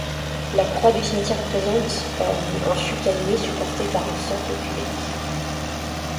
La croix du cimetière présente un fût cannelé supporté par un socle cubique.